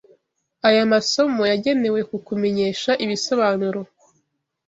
aya masomo yagenewe kukumenyesha ibisobanuro